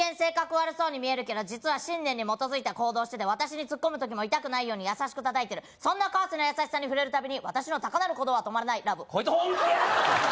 悪そうに見えるけど実は信念に基づいた行動をしてて私にツッコむ時も痛くないように優しく叩いてるそんな川瀬の優しさに触れるたびに私の高鳴る鼓動は止まらないラブこいつ本気や！